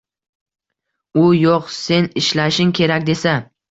U: “yoʻq, sen ishlashing kerak” — desa